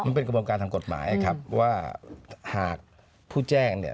มันเป็นกระบวนการทางกฎหมายครับว่าหากผู้แจ้งเนี่ย